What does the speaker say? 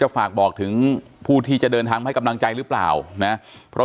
ฝากบอกถึงผู้ที่จะเดินทางมาให้กำลังใจหรือเปล่านะเพราะ